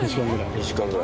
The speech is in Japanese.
２時間ぐらい。